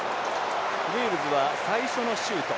ウェールズは最初のシュート。